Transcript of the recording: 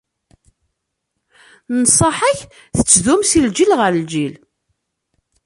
Nnṣaḥa-k tettdumu si lǧil ɣer lǧil.